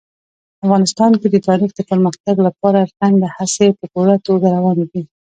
افغانستان کې د تاریخ د پرمختګ لپاره رغنده هڅې په پوره توګه روانې دي.